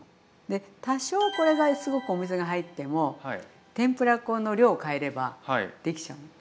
で多少これがすごくお水が入っても天ぷら粉の量を変えればできちゃうの。